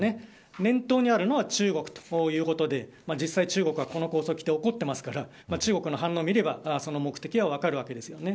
念頭にあるのは中国ということで実際、中国は怒ってますから中国の反応を見ればその目的は分かるわけです。